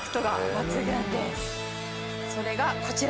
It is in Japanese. それがこちら。